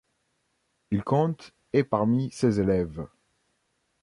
Il compte et parmi ses élèves.